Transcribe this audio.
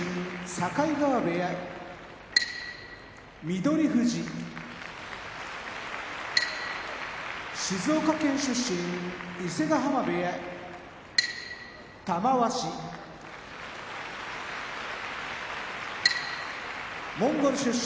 翠富士静岡県出身伊勢ヶ濱部屋玉鷲モンゴル出身